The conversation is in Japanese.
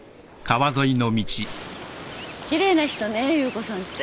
奇麗な人ね夕子さんって。